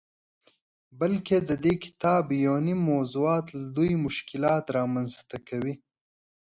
بلکه ددې کتاب یونیم موضوعات لوی مشکلات رامنځته کوي.